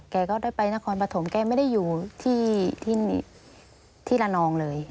แกก็ได้ไปนครปฐมแกไม่ได้อยู่ที่ละนองเลย